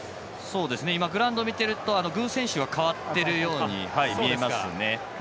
今、グラウンドを見てると具選手が代わっているように見えます。